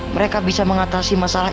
mereka bisa mengatasi masalah